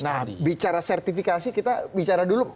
nah bicara sertifikasi kita bicara dulu